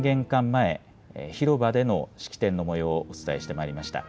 前、広場での式典のもようをお伝えしてまいりました。